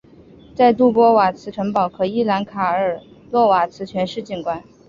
在杜波瓦茨城堡可一览卡尔洛瓦茨全市景观。